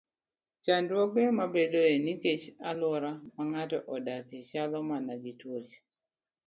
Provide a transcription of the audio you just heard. Chandruoge mabedoe nikech alwora ma ng'ato odakie chalo mana gi tuoche.